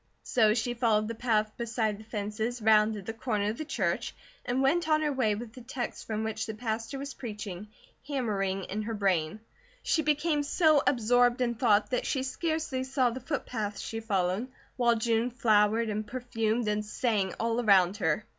So she followed the path beside the fences, rounded the corner of the church and went on her way with the text from which the pastor was preaching, hammering in her brain. She became so absorbed in thought that she scarcely saw the footpath she followed, while June flowered, and perfumed, and sang all around her.